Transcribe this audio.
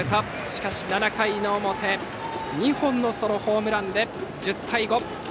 しかし７回の表２本のソロホームランで１０対５。